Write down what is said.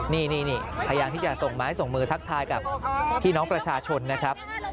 นี่พยายามที่จะส่งไม้ส่งมือทักทายกับพี่น้องประชาชนนะครับ